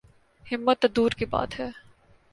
ہمت تو دور کی بات ہے۔